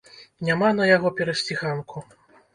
Няма на яго перасціханку.